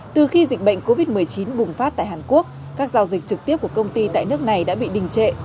từ khi dịch bệnh covid một mươi chín bùng phát tại hàn quốc các giao dịch trực tiếp của công ty tại nước này đã bị đình trệ